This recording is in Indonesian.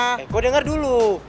eh kok denger dulu